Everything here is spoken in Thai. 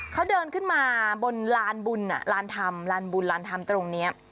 เขาเดินขึ้นมาบนลานบุญลานธรรมลานบุญลานธรรมตรงนี้